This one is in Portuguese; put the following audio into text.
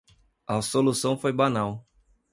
A solução foi banal.